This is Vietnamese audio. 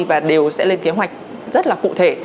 và đều sẽ lên kế hoạch rất là cụ thể